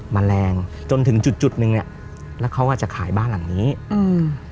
แมลงจนถึงจุดจุดหนึ่งเนี้ยแล้วเขาอ่ะจะขายบ้านหลังนี้อืม